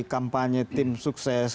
kampanye tim sukses